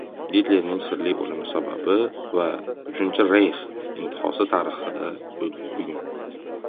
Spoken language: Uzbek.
Gitlerning sirli o‘limi sababi va «Uchinchi reyx» intihosi — tarixda bugun